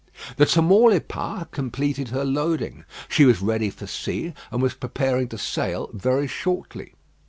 The Tamaulipas had completed her loading. She was ready for sea, and was preparing to sail very shortly.